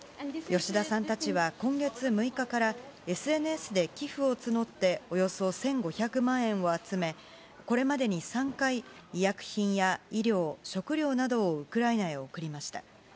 吉田さんたちは今月６日からＳＮＳで寄付を募っておよそ１５００万円を集めこれまでに３回医薬品や衣料、食料などをウクライナへ送りました。